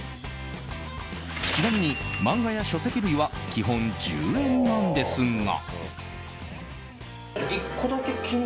ちなみに、漫画や書籍類は基本１０円なんですが。